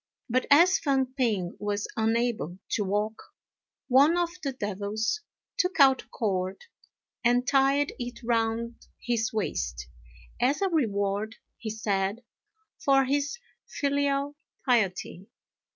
But, as Fang p'ing was unable to walk, one of the devils took out a cord and tied it round his waist, as a reward, he said, for his filial piety.